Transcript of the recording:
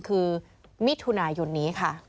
คือมิถุนายนนี้ค่ะ